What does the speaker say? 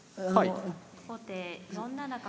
後手４七角。